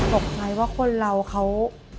ตกใจว่าคนเราเขา